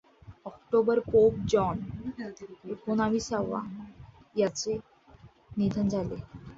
October pope John एकोणिसावा यांचे निधन झाले.